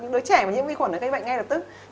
những đứa trẻ mà nhiễm vi khuẩn nó gây bệnh ngay lập tức